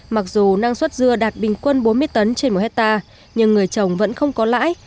mặc dù năng suất dưa đạt bình quân bốn mươi tấn trên một hectare nhưng người trồng vẫn không có lãi